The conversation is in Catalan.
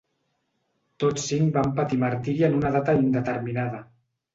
Tots cinc van patir martiri en una data indeterminada.